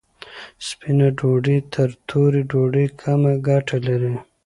سپینه ډوډۍ تر تورې ډوډۍ کمه ګټه لري.